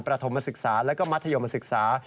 ฐมศึกษาและก็มัธยมศึกษา